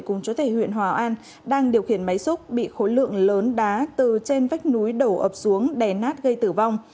cùng chủ thể huyện hòa an đang điều khiển máy xúc bị khối lượng lớn đá từ trên vách núi đổ ập xuống đè nát gây tử vong